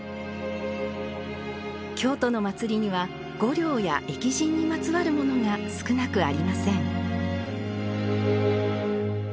京都の祭りには御霊や疫神にまつわるものが少なくありません。